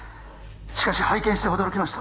しかし拝見して驚きました